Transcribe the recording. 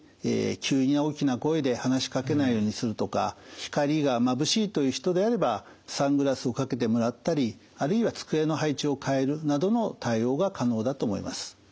急に大きな声で話しかけないようにするとか光がまぶしいという人であればサングラスをかけてもらったりあるいは机の配置を変えるなどの対応が可能だと思います。